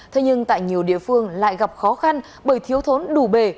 thế nhưng tại nhiều địa phương lại gặp khó khăn bởi thiếu thốn đủ bể